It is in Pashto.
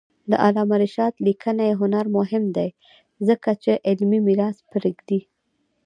د علامه رشاد لیکنی هنر مهم دی ځکه چې علمي میراث پرېږدي.